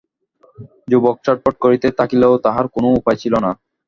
যুবক ছটফট করিতে থাকিলেও তাহার কোন উপায় ছিল না।